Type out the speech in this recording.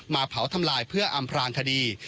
เผาทำลายเพื่ออำพลางคดี